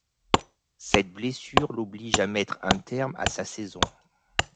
Cette blessure l'oblige à mettre un terme à sa saison.